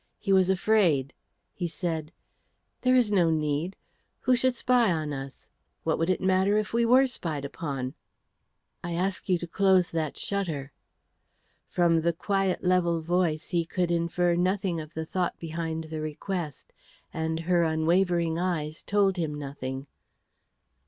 He was afraid. He said, "There is no need. Who should spy on us? What would it matter if we were spied upon?" "I ask you to close that shutter." From the quiet, level voice he could infer nothing of the thought behind the request; and her unwavering eyes told him nothing.